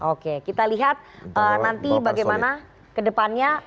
oke kita lihat nanti bagaimana ke depannya